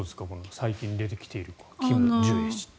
最近出てきているジュエ氏。